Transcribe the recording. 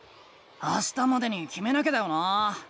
あしたまでにきめなきゃだよな？